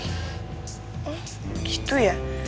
hmm gitu ya